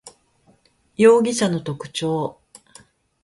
容疑者の特徴